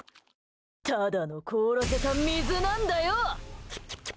ただの凍らせた水なんだよ！